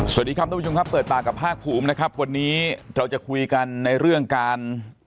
สวัสดีครับทุกผู้ชมครับเปิดปากกับภาคภูมินะครับวันนี้เราจะคุยกันในเรื่องการ